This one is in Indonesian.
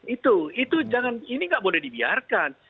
itu ini tidak boleh dibiarkan